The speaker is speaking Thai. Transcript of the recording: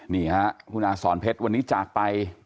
นี่ค่ะคุณอาสอนเพชรวันนี้จากไป